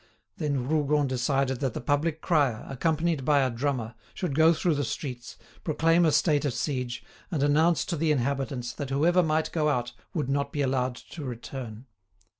Then Rougon decided that the public crier, accompanied by a drummer, should go through the streets, proclaim a state of siege, and announce to the inhabitants that whoever might go out would not be allowed to return.